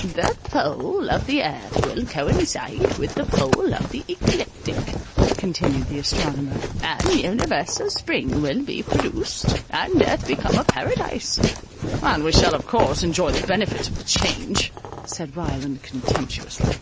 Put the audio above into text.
"The pole of the earth will coincide with the pole of the ecliptic," continued the astronomer, "an universal spring will be produced, and earth become a paradise." "And we shall of course enjoy the benefit of the change," said Ryland, contemptuously.